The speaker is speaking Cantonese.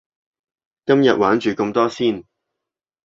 今日玩住咁多先